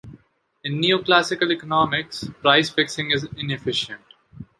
In neo-classical economics, price fixing is inefficient.